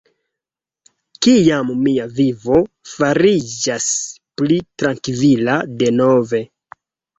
Kiam mia vivo fariĝas pli trankvila denove